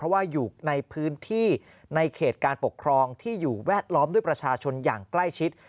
เพราะว่าอยู่ในพื้นที่ในเขตการปกครองที่อยู่แวดล้อมด้วยประชาชนอย่างใกล้ชิด